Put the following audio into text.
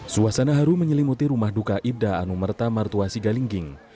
suasana haru menyelimuti rumah duka ibda anumerta martua sigalingging